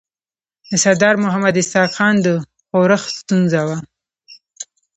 د سردار محمد اسحق خان د ښورښ ستونزه وه.